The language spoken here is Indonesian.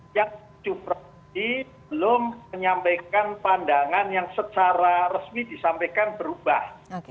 yang cupli belum menyampaikan pandangan yang secara resmi disampaikan berubah